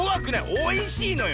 おいしいのよ。